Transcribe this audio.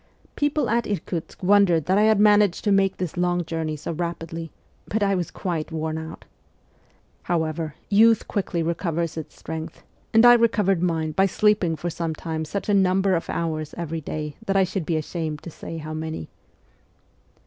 People at Irkutsk wondered that I had managed to make this long journey so rapidly, but I was quite worn out. However, youth quickly recovers its strength, SIBERIA 227 and I recovered mine by sleeping for some time such a number of hours every day that I should be ashamed to say how many.